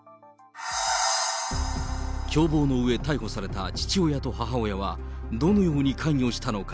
共謀のうえ逮捕された父親と母親は、どのように関与したのか。